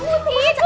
ibu mau baca